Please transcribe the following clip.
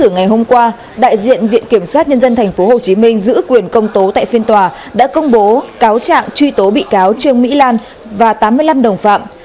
nhân dân tp hcm giữ quyền công tố tại phiên tòa đã công bố cáo trạng truy tố bị cáo trương mỹ lan và tám mươi năm đồng phạm